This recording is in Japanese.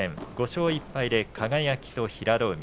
５勝１敗で輝と平戸海。